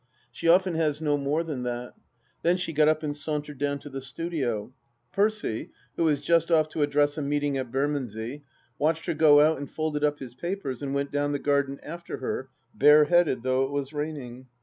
She often has no more than that. Then she got up and sauntered down to the studio. Percy, who was just oft to address a meeting at Bermondsey, watched her go out and folded up his papers and went down the garden after her^ bareheaded, though it was raining.